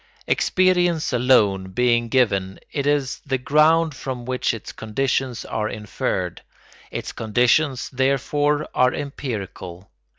Experience alone being given, it is the ground from which its conditions are inferred: its conditions, therefore, are empirical.